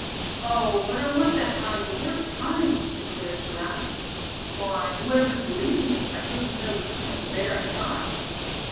"Oh! but I want that hide the worst kind," declared Giraffe. "Why, whoever'd believe me, if I couldn't show the skin of the bear I shot?"